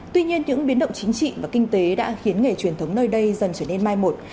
tuy nhiên những biến động chính trị và kinh tế đã khiến nghề truyền thống nơi đây dần trở nên mai một